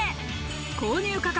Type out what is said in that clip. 購入価格